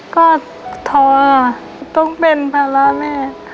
ก็ท้อค่ะต้องเป็นภาระแม่